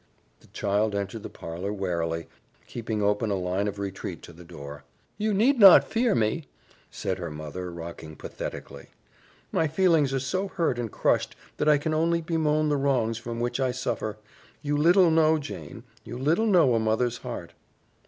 The child entered the parlor warily, keeping open a line of retreat to the door. "You need not fear me," said her mother, rocking pathetically. "My feelings are so hurt and crushed that I can only bemoan the wrongs from which I suffer. You little know, Jane, you little know a mother's heart."